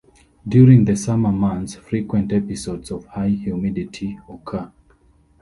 During the summer months, frequent episodes of high humidity occur.